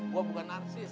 gue bukan narsis